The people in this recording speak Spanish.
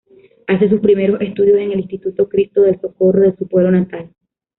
Hace sus primeros estudios en el Instituto Cristo del Socorro de su pueblo natal.